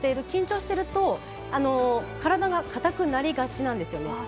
緊張していると体が硬くなりがちなんですよね。